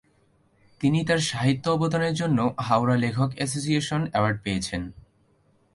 তিনি তার সাহিত্য অবদানের জন্য হাওড়া লেখক এসোসিয়েশন অ্যাওয়ার্ড পেয়েছেন।